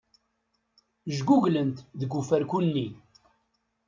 Jguglent deg ufarku-nni.